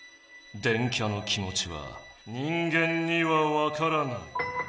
電キャの気もちは人間にはわからない。